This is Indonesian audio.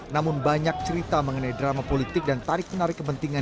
namun banyak cerita mengenai drama politik dan tarik menarik kepentingan